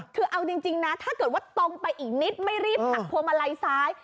คือเอาจริงนะถ้าเกิดว่าตรงไปอีกนิดไม่รีบหักพวงมาลัยซ้าย